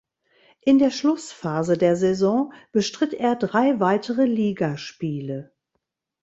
In der Schlussphase der Saison bestritt er drei weitere Ligaspiele.